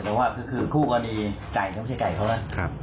แต่ว่าคือคู่กรณีไก่เขาไม่ใช่ไก่เขานะ